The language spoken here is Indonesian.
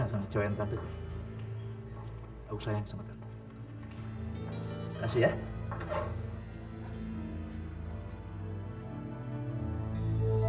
tante gak perlu selama ini yang memberikan kesenangan kebahagiaan adalah saya tante